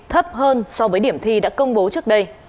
thấp hơn so với điểm thi đã công bố trước đây